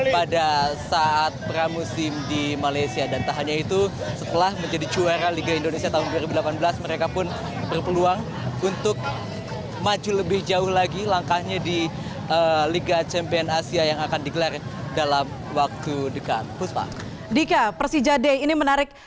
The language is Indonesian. pada hari ini saya akan menunjukkan kepada anda